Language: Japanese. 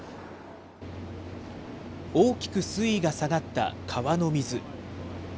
大きく水位が下がった川の水。